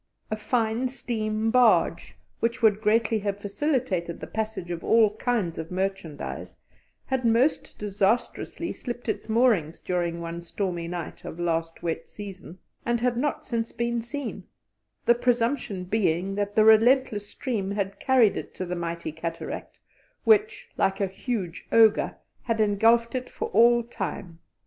A fine steam barge, which would greatly have facilitated the passage of all kinds of merchandise, had most disastrously slipped its moorings during one stormy night of last wet season, and had not since been seen, the presumption being that the relentless stream had carried it to the mighty cataract, which, like a huge ogre, had engulfed it for all time.